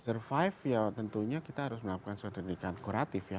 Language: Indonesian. survive ya tentunya kita harus melakukan suatu tindakan kuratif ya